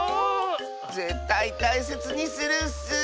ぜったいたいせつにするッス！